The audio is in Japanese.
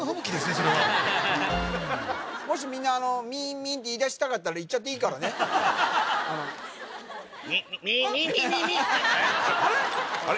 それはもしみんな「ミーンミーン」って言い出したかったら言っちゃっていいからねあれ？